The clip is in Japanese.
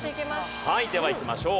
ではいきましょう。